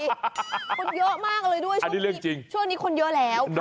คนเยอะมากเลยด้วยช่วงนี้คนเยอะแล้วค่ะ